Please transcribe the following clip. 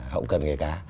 hậu cần nghề cá